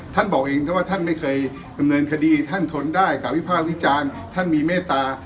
บอกเองถ้าว่าท่านไม่เคยดำเนินคดีท่านทนได้กล่าววิภาควิจารณ์ท่านมีเมตตา